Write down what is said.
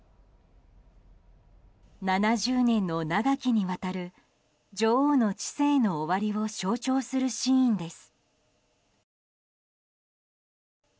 ７０年の長きにわたる女王の治世の終わりを象徴するシーンです。